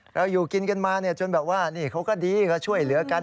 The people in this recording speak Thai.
เราอยู่กินกันมาจนแบบว่านี่เขาก็ดีก็ช่วยเหลือกัน